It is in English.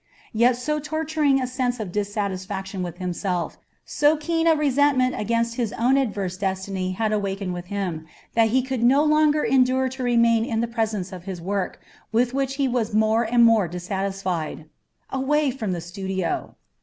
Yet so torturing a sense of dissatisfaction with himself, so keen a resentment against his own adverse destiny had awaked within him, that he could no longer endure to remain in the presence of his work, with which he was more and more dissatisfied. Away from the studio!